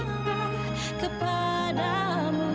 selalu mengharap kepada mu